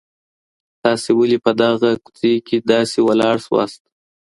تاسي ولي په دغه کوڅې کي داسي ولاړ سواست؟